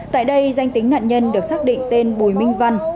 tại đây danh tính nạn nhân được xác định tên bùi minh văn